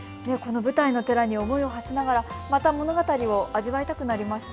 舞台の寺に思いをはせながらまた物語を味わいたくなりました。